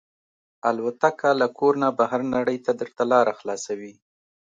الوتکه له کور نه بهر نړۍ ته درته لاره خلاصوي.